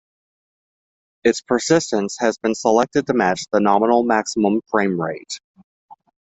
Its persistence had been selected to match the nominal maximum frame rate.